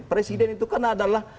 presiden itu kan adalah